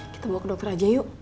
kita bawa ke dokter aja yuk